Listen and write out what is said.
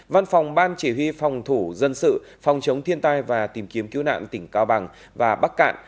văn phòng ban chỉ huy phòng thủ dân sự phòng chống thiên tai và tìm kiếm cứu nạn tỉnh cao bằng và bắc cạn